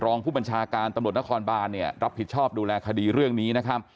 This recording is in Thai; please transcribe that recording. รองผู้บัญชาการตำรวจนครบานเนี่ยรับผิดชอบดูแลคดีเรื่องนี้นะครับ